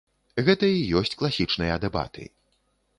Гэта і ёсць класічныя дэбаты.